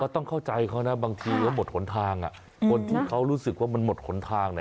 ต้องเข้าใจเขานะบางทีเขาหมดหนทางคนที่เขารู้สึกว่ามันหมดหนทาง